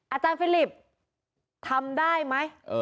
อาจารย์ฟิลิปทำได้มั้ย